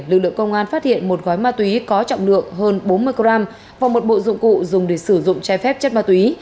lực lượng công an phát hiện một gói ma túy có trọng lượng hơn bốn mươi g và một bộ dụng cụ dùng để sử dụng trái phép chất ma túy